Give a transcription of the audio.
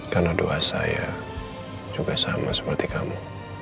karena doa saya juga sama seperti kamu